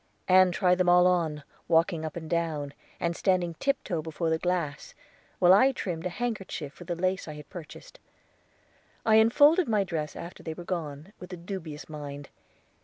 Ann tried them all on, walking up and down, and standing tiptoe before the glass, while I trimmed a handkerchief with the lace I had purchased. I unfolded my dress after they were gone, with a dubious mind.